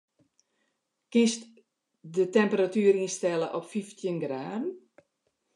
Kinst de temperatuer ynstelle op fyftjin graden?